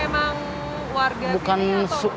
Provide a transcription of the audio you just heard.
emang warga sini atau